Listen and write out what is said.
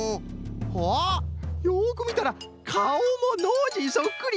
あっよくみたらかおもノージーそっくり！